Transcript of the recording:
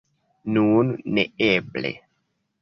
Nun neeble!